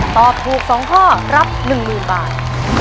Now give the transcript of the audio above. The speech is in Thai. ตอบถูก๒ข้อรับ๑๐๐๐บาท